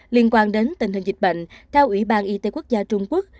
liên quan đến tình hình dịch bệnh theo ủy ban y tế quốc gia trung quốc